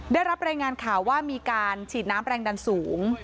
ได้รับรายงานข่าวว่ามีการฉีดน้ำแรงดันสูง